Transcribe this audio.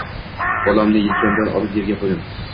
Bolamni yelkamdan olib yerga qoʻydim